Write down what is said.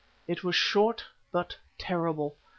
It was short but terrible.